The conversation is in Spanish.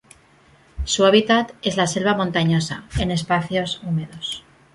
Su hábitat es la selva montañosa, en espacios húmedos.